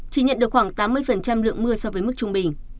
chỉ nhận được khoảng tám mươi lượng mưa so với mức trung bình